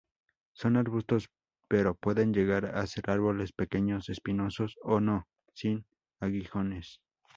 Son arbustos pero pueden llegar a ser árboles pequeños, espinosos o no, sin aguijones.